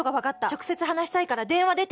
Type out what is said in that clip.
「直接話したいから電話出て」